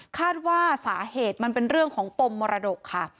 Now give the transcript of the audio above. คาดว่าสาเหตุมันเป็นเรื่องของปมมรดกค่ะ